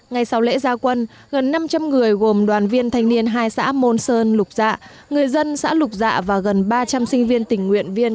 ngày sau lễ gia quân gần năm trăm linh người gồm đoàn viên thanh niên hai xã môn sơn lục dạ người dân xã lục dạ và gần ba trăm linh sinh viên tình nguyện viên